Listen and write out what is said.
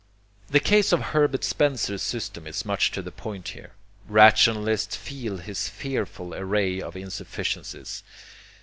The case of Herbert Spencer's system is much to the point here. Rationalists feel his fearful array of insufficiencies.